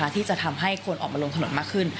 ที่จะทำให้คนออกมาลงถนนมากขึ้น